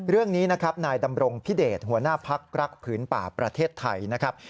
เรื่องนี้นะครับนายดำรงพิเดชหัวหน้าพักรักผืนป่าประเทศไทยนะครับ